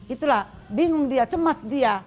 itulah bingung dia cemas dia